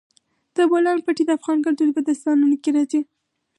د بولان پټي د افغان کلتور په داستانونو کې راځي.